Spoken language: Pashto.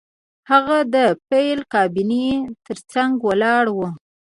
هغه د فایل کابینې ترڅنګ ولاړ و